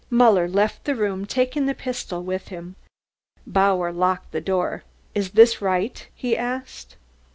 Muller left the room, taking the pistol with him. Bauer locked the door. "Is this right?" he asked.